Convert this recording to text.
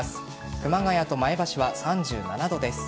熊谷と前橋は３７度です。